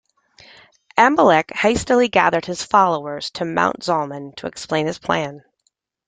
Abimelech hastily gathered his followers to Mount Zalmon to explain his plan.